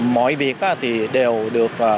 mọi việc đó thì đều được